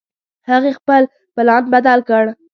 هغې خپل پلان بدل کړ